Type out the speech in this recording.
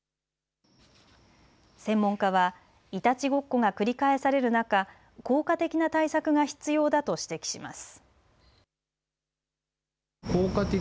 専門家はいたちごっこが繰り返される中効果的な対策が必要だと指摘します。